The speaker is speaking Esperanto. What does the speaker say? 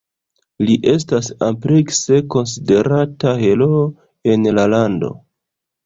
Li estas amplekse konsiderata heroo en la lando.